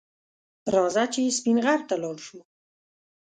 راځه چې سپین غر ته لاړ شو